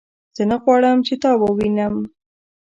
زه نه غواړم چې تا ووینم